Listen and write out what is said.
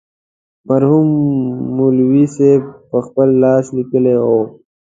مرحوم مولوي صاحب پخپل لاس لیکلې وه.